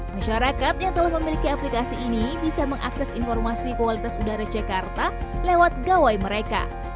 masyarakat yang telah memiliki aplikasi ini bisa mengakses informasi kualitas udara jakarta lewat gawai mereka